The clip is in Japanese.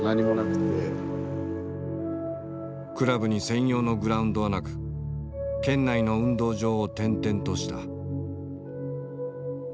クラブに専用のグラウンドはなく県内の運動場を転々とした。